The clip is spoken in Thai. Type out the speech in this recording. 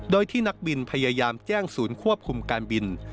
โดยที่นักบินพยายามแจ้งศูนย์ควบคุมการบิน